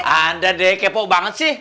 ada deh kepo banget sih